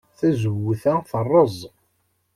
Tazewwut-a terreẓ.